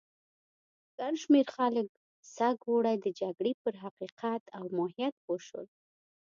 ګڼ شمېر خلک سږ اوړی د جګړې پر حقیقت او ماهیت پوه شول.